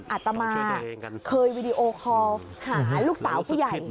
อาตมาเคยวีดีโอคอลหาลูกสาวผู้ใหญ่